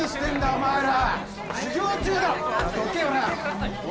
・・お前ら。